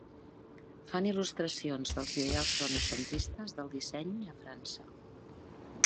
Fan il·lustracions dels ideals renaixentistes del disseny a França.